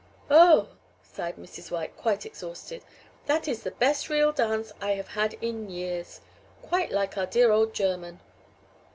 "Oh!" sighed Mrs. White, quite exhausted, "that is the best real dance I have had in years quite like our dear old German."